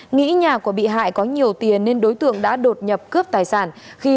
nghĩ nhà của bị hại có nhiều tiền nên đối tượng đã đột nhập cướp tài sản